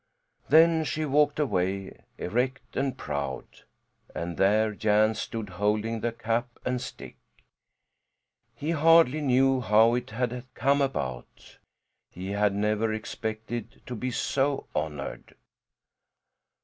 Then she walked away, erect and proud, and there Jan stood holding the cap and stick. He hardly knew how it had come about. He had never expected to be so honoured.